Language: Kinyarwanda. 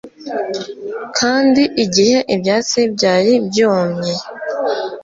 kandi, igihe ibyatsi byari byumye